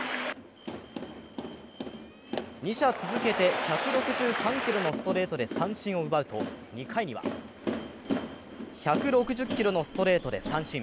２者続けて１６３キロのストレートで三振を奪うと２回には、１６０キロのストレートで三振。